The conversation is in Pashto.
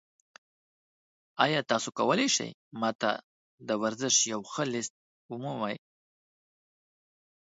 ایا تاسو کولی شئ ما ته د ورزش یو ښه لیست ومومئ؟